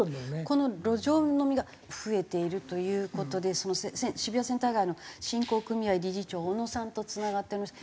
この路上飲みが増えているという事で渋谷センター街の振興組合理事長小野さんとつながっております。